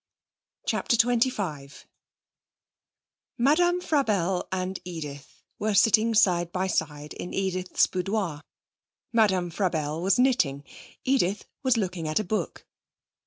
CHAPTER XXV Madame Frabelle and Edith were sitting side by side in Edith's boudoir. Madame Frabelle was knitting. Edith was looking at a book.